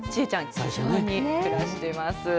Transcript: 気丈に暮らしています。